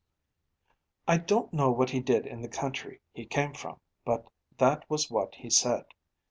'I don't know what he did in the country he came from. But that was what he said.